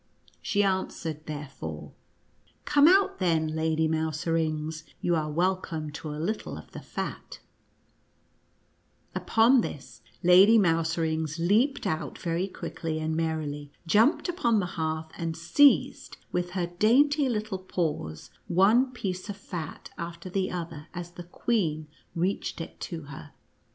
She answered, therefore, " Come out, then,' Lady Mouserings, you are welcome to a little of the fat'" Upon this, Lady Mouserings leaped out very quickly and merrily, jumped irpon the hearth, and seized with her dainty little paws, one piece of fat after the other as the queen reached it to her.